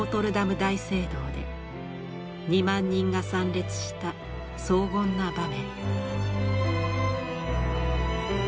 大聖堂で２万人が参列した荘厳な場面。